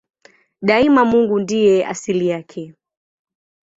Daima Mungu ndiye asili yake.